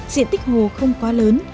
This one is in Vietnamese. diện tích hồ không quá lớn